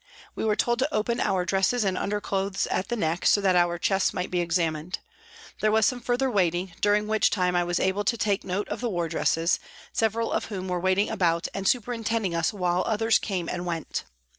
We were told to open our dresses and underclothes at the neck so that our chests might be examined. There was some further waiting, during which time I was able to take note of the wardresses, several of whom were waiting about and superin tending us while others came and went.